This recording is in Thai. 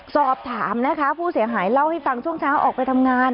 สอบถามนะคะผู้เสียหายเล่าให้ฟังช่วงเช้าออกไปทำงาน